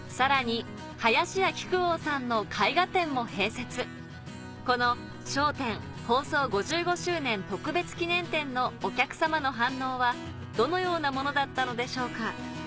さらにも併設この『笑点』放送５５周年特別記念展のお客様の反応はどのようなものだったのでしょうか？